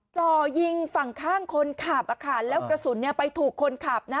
จ่อยิงฝั่งข้างคนขับแล้วกระสุนไปถูกคนขับนะ